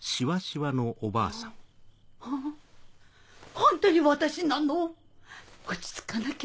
ホントに私なの⁉落ち着かなきゃ。